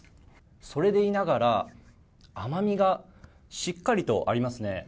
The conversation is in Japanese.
それでいながら甘みがしっかりとありますね。